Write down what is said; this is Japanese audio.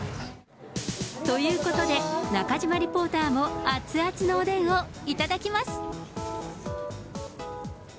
ということで、中島リポーターも熱々のおでんをいただきます。